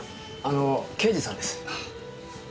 あの刑事さんです。